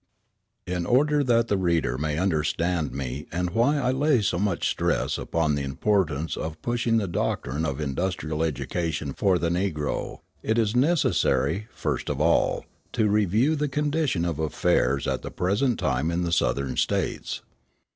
In order that the reader may understand me and why I lay so much stress upon the importance of pushing the doctrine of industrial education for the Negro, it is necessary, first of all, to review the condition of affairs at the present time in the Southern States.